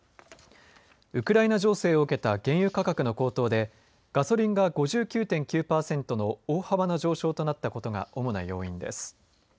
ウクライナ情勢を受けた原油価格の高騰でガソリンが５９．９パーセントの大幅な上昇となったことが主な要因です。